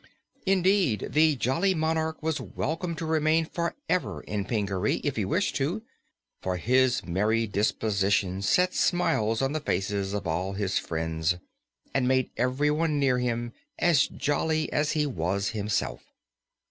Indeed, the jolly monarch was welcome to remain forever in Pingaree, if he wished to, for his merry disposition set smiles on the faces of all his friends and made everyone near him as jolly as he was himself.